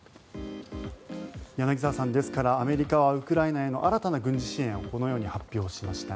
柳澤さん、ですからアメリカはウクライナへの新たな軍事支援をこのように発表しました。